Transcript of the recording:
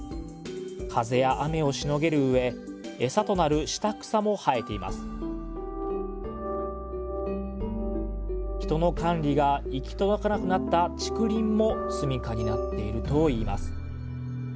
風や雨をしのげる上エサとなる下草も生えています人の管理が行き届かなくなった竹林も住みかになっているといいます